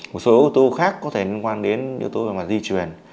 một số yếu tố khác có thể liên quan đến yếu tố về mặt di chuyển